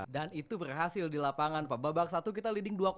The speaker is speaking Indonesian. dan itu berhasil di lapangan babak satu kita leading dua pak